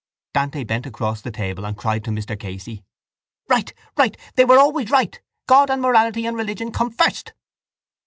Dante bent across the table and cried to Mr Casey: —Right! Right! They were always right! God and morality and religion come first.